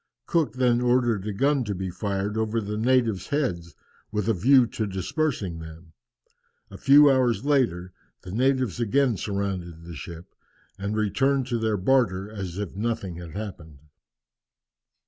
Cook then ordered a gun to be fired over the natives' heads with a view to dispersing them. A few hours later the natives again surrounded the ship, and returned to their barter as if nothing had happened.